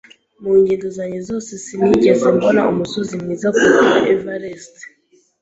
Mu ngendo zanjye zose sinigeze mbona umusozi mwiza kuruta Everest.